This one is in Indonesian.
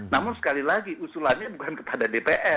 namun sekali lagi usulannya bukan kepada dpr